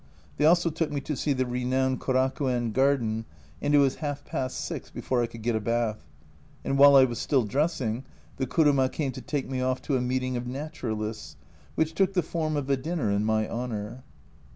They also took me to see the renowned Koraku en garden, and it was half past six before I could get a bath, and while I was still dressing the kuruma came to take me off to a meeting of Naturalists, which took the form of a dinner in my honour.